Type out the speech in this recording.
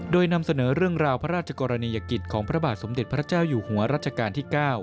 โดยนำเสนอเรื่องราวพระราชกรณียกิจของพระบาทสมเด็จพระเจ้าอยู่หัวรัชกาลที่๙